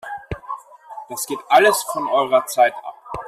Das geht alles von eurer Zeit ab!